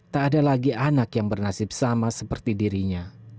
tak ada lagi anak yang bernasib sama seperti dirinya